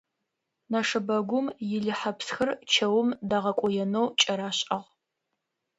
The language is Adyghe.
Нэшэбэгум илыхьэпсхэр чэум дагъэкӏоенэу кӏэрашӏагъ.